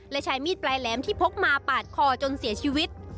และใช้มีดปลายแหลมที่พกมาปาดคอจนเสียชีวิต